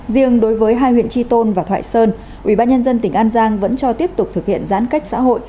riêng đối với hai huyện tri tôn và thoại sơn ubnd tỉnh an giang vẫn cho tiếp tục thực hiện giãn cách xã hội